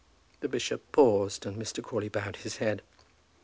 The bishop paused, and Mr. Crawley bowed his head.